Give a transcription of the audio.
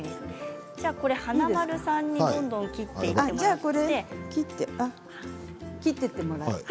華丸さんにどんどん切っていってもらって。